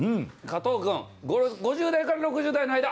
加藤君５０代から６０代の間。